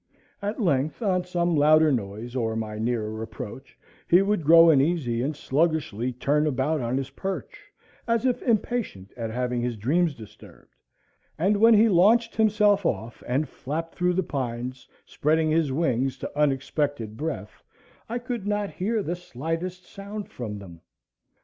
At length, on some louder noise or my nearer approach, he would grow uneasy and sluggishly turn about on his perch, as if impatient at having his dreams disturbed; and when he launched himself off and flapped through the pines, spreading his wings to unexpected breadth, I could not hear the slightest sound from them.